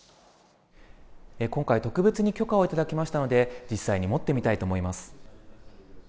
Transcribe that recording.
今回特別に許可をいただきましたので、実際に持ってみたいと思います。